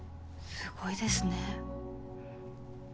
すごいですね。